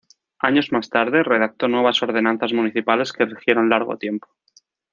Años más tarde redactó nuevas "Ordenanzas municipales" que rigieron largo tiempo.